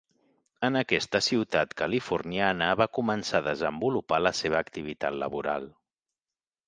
En aquesta ciutat californiana va començar a desenvolupar la seva activitat laboral.